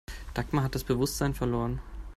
Dagmar hat das Bewusstsein verloren.